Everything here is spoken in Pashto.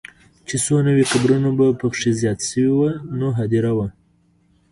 چې څو نوي قبرونه به پکې زیات شوي وو، نوې هدیره وه.